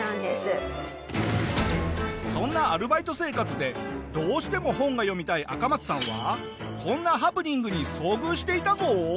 そんなアルバイト生活でどうしても本が読みたいアカマツさんはこんなハプニングに遭遇していたぞ。